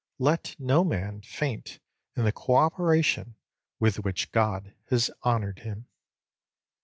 Let no man faint in the co operation with which God has honoured him.